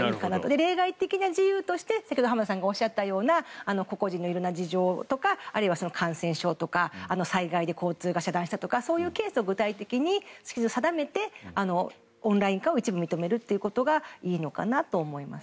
例外的な事由として先ほど浜田さんがおっしゃったような個々人の色んな事情とか感染症とか災害で交通が遮断したとかそういうケースを具体的に定めてオンライン化を一部認めることがいいのかなと思います。